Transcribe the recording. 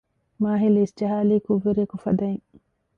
މާހިލް އިސްޖަހާލީ ކުށްވެރިއަކު ފަދައިން